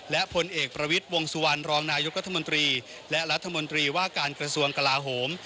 และผลเอกประวิทย์วงสุวรรณรองนายกรัฐมนตรีและรัฐมนตรีว่าการกระทรวงกลาโหม